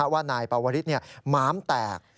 ว่านายปรวิทรหมามแตก